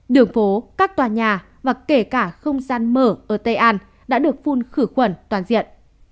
đường phố các tòa nhà và kể cả không gian mở ở tây an đã được phun khử khuẩn toàn diện